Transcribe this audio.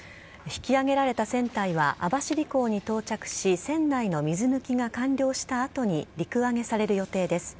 引き揚げられた船体は網走港に到着し船内の水抜きが完了した後に陸揚げされる予定です。